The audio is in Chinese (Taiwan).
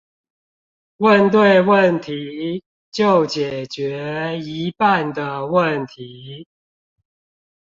問對問題，就解決一半的問題